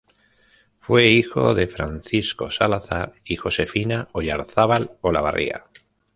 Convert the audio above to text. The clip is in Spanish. Fue hijo de Francisco Salazar y Josefina Oyarzábal Olavarría.